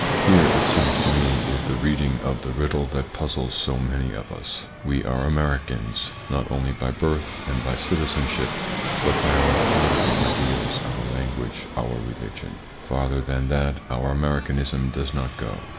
Here, it seems to me, is the reading of the riddle that puzzles so many of us. We are Americans,[Pg 12] not only by birth and by citizenship, but by our political ideals, our language, our religion. Farther than that, our Americanism does not go.